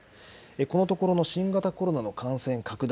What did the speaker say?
このところの新型コロナの感染拡大